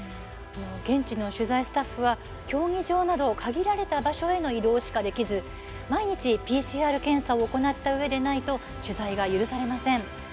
現地の取材スタッフは競技場など限られた場所への移動しかできず毎日ＰＣＲ検査を行ったうえでないと取材が許されません。